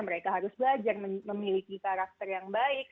mereka harus belajar memiliki karakter yang baik